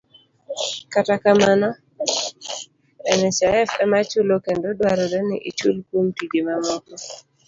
Kata kamano, nhif ema chulo kendo dwarore ni ichul kuom tije mamoko.